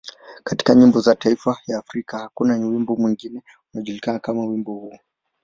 Katika nyimbo za mataifa ya Afrika, hakuna wimbo mwingine unaojulikana kama wimbo huo.